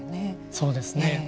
そうですね。